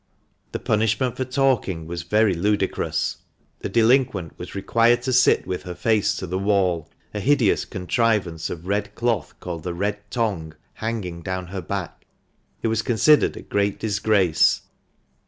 The punishment for talking was very ludicrous. The delinquent was required to sit with her face to the wall — a hideous contrivance of red cloth called the ' red tocgue ' hanging down her back ; it was considered a great disgrace.